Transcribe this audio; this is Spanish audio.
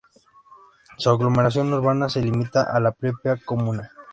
Su aglomeración urbana se limita a la propia comuna.